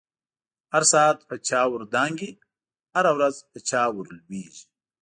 هر ساعت په چاور دانګی، هزه ورځ په چا ور لويږی